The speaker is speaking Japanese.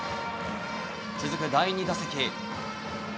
続く第２打席。